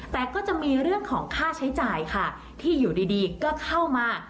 แต่ก็จะมีเรื่องของค่าใช้จ่ายค่ะที่อยู่ดีก็เข้ามา